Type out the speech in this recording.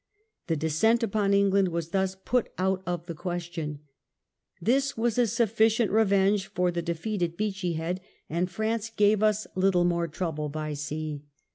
The descent upon England was thus put out of the question. This was a sufficient revenge for the defeat at Beachy Head, and France gave THE BANK OF ENGLAND. I07 US little more trouble by sea.